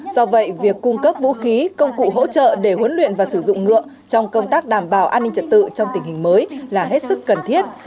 do vậy việc cung cấp vũ khí công cụ hỗ trợ để huấn luyện và sử dụng ngựa trong công tác đảm bảo an ninh trật tự trong tình hình mới là hết sức cần thiết